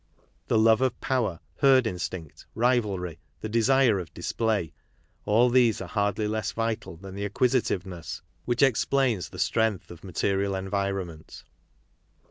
The love of power, herd instinct, rivalry, the desire of display, all these are hardly less vital than the acquisitiveness which explains the strength of material environment.